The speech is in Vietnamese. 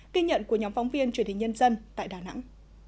ghi nhận của nhóm phóng viên truyền hình nhân dân tại đà nẵng